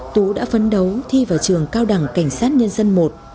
tú đã phấn đấu thi vào trường cao đẳng cảnh sát nhân dân một